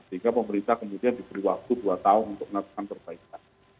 sehingga pemerintah kemudian diperwaktu dua tahun untuk menerbitkan perbaikan